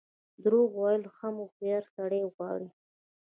درواغ ویل هم هوښیار سړی غواړي.